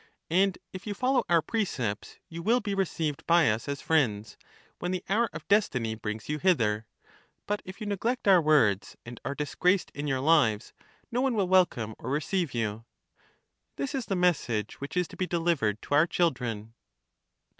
And if you follow our precepts you will be received by us as friends, when the hour of destiny brings you hither ; but if you neglect our words and are disgraced in your lives, no one will welcome or receive you. This is the message which is to be delivered to our children.